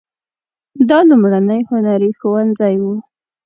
دا لومړنی هنري ښوونځی و.